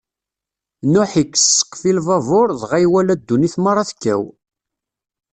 Nuḥ ikkes ssqef i lbabuṛ, dɣa iwala ddunit meṛṛa tekkaw.